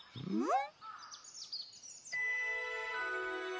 うん！